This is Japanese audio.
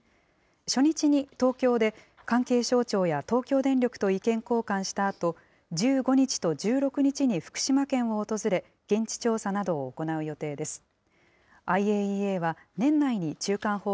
初日に東京で、関係省庁や東京電力と意見交換したあと、１５日と１６日に福島県を訪れ、現地調査などを行う予定です。